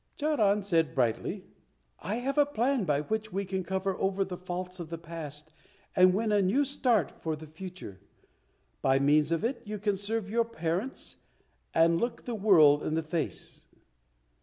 Charan said brightly, "I have a plan by which we can cover over the faults of the past, and win a new start for the future. By means of it, you can serve your parents and look the world in the face.